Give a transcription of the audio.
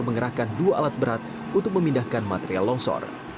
mengerahkan dua alat berat untuk memindahkan material longsor